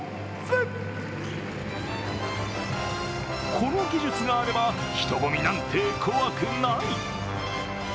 この技術があれば、人混みなんて怖くない！